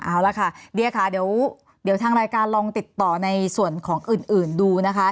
เอาละค่ะเดียค่ะเดี๋ยวทางรายการลองติดต่อในส่วนของอื่นดูนะคะ